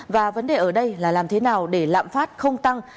và vấn đề ở đây là làm thế nào để lạm phát không tăng